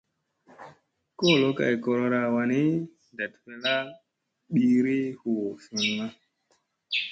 Kolo kay korora wanni ndat fella biiri huu sunŋa.